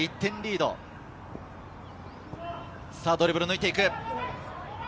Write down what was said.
ドリブルで抜いて行く。